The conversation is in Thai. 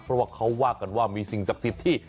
เพราะว่าเขาว่ากันว่ามีสิ่งศักดิ์สิทธิ์ที่